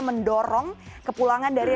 mendorong kepulangan dari